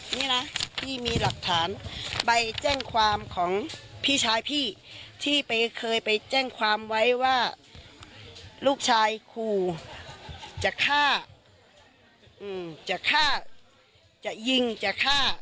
นี่นะพี่มีหลักฐานใบแจ้งความของพี่ชายพี่ที่ไปเคยไปแจ้งความไว้ว่าลูกชายขู่จะฆ่าจะฆ่าจะยิงจะฆ่า